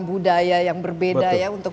budaya yang berbeda ya untuk